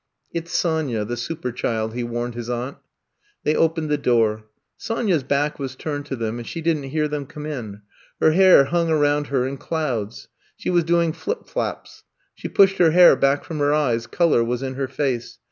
It 's Sonya, the super child," he warned his aunt. They opened the door. Sonya 's back was turned to them and she didn't hear them come in. Her hair hung around her in clouds. She was doing flip flaps. She pushed her hair back from her eyes, color was in her face.